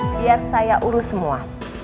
biar saya urus semua